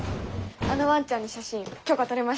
あのワンちゃんの写真許可とれました。